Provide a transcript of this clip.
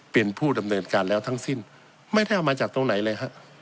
เป็นผู้ดำเนินการแล้วทั้งสิ้นไม่ได้เอามาจากตรงไหนเลยฮะ